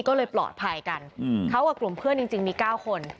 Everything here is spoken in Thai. ก็เลยปลอดภัยกันเขากับกลุ่มเพื่อนจริงมี๙คน